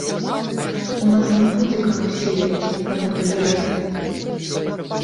У нас не будзе каму сеяць, каму прыбіраць.